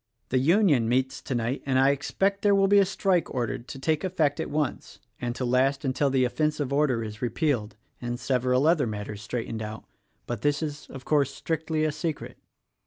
The Union meets tonight, and I expect there will be a strike ordered to take effect at once, and to last until the offensive order is repealed — and several other matters straightened out; but this is, THE RECORDING ANGEL 55 of course, strictly a secret.